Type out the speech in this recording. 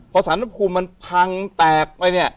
พอสานบบภูมิมันพังแตก